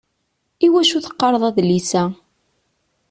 Iwacu teqqareḍ adlis a?